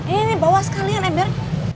ini bawah sekalian ember